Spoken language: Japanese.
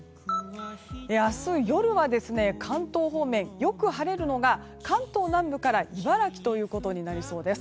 明日夜は、関東方面よく晴れるのが関東南部から茨城となりそうです。